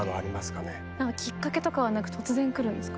きっかけとかはなく突然来るんですか？